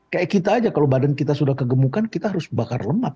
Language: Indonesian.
kayak kita aja kalau badan kita sudah kegemukan kita harus bakar lemak